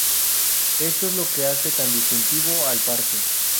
Esto es lo que hace tan distintivo al parque.